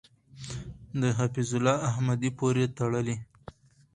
د حفیظ الله احمدی پورې تړي .